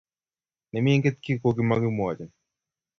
ne megen kii ko makimwachin